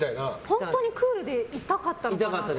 本当にクールでいたかったのかなって。